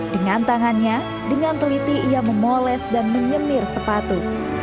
dengan tangannya dengan teliti ia memoles dan menyemir sepatu